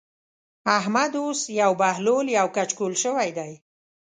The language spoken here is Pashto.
احمد اوس يو بهلول يو کچکول شوی دی.